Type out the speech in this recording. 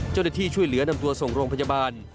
เจ้าหน้าที่ช่วยเหลือนำตัวส่งโรงพยาบาล